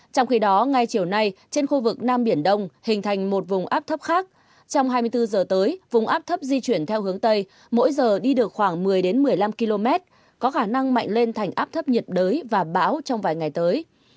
trong khi đó ngay chiều nay trên khu vực nam biển đông hình thành một vùng áp thấp khác trong hai mươi bốn giờ tới vùng áp thấp di chuyển theo hướng tây mỗi giờ đi được khoảng một mươi một mươi năm km có khả năng mạnh lên thành áp thấp nhiệt đới và bão trong vài ngày tới